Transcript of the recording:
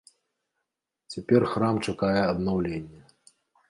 Цяпер храм чакае аднаўленне.